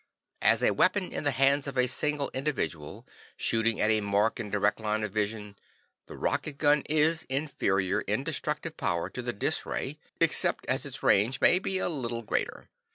As a weapon in the hands of a single individual, shooting at a mark in direct line of vision, the rocket gun is inferior in destructive power to the dis ray, except as its range may be a little greater.